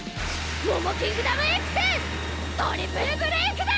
モモキングダムＸトリプルブレイクだ！